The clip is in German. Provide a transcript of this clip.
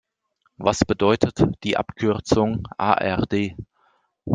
Was bedeutet die Abkürzung A-R-D?